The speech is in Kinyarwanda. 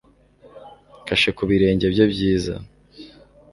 Kashe ku birenge bye byiza